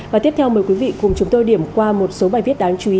và tiếp theo mời quý vị cùng chúng tôi điểm qua một số bài viết đáng chú ý